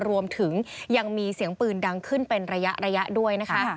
รวมถึงยังมีเสียงปืนดังขึ้นเป็นระยะด้วยนะคะ